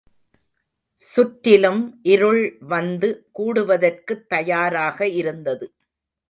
சுற்றிலும் இருள் வந்து கூடுவதற்குத் தயாராக இருந்தது.